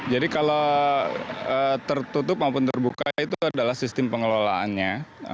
jadi kalau tertutup maupun terbuka itu adalah sistem pengelolaannya